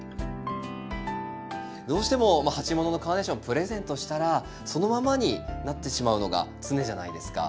どうしても鉢物のカーネーションプレゼントしたらそのままになってしまうのが常じゃないですか。